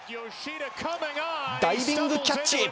ダイビングキャッチ！